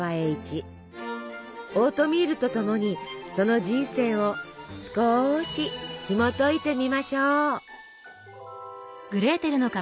オートミールとともにその人生を少しひもといてみましょう。